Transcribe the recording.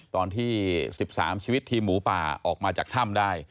ตอนที่๑๓ชีวิตทีมหมูป่าออกมาจากถ้ำได้